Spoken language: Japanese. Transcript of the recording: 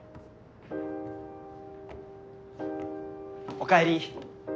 ・おかえり。